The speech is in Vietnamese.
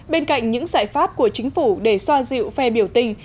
bên cạnh những giải pháp của chính phủ để xoa dịu phe biểu tình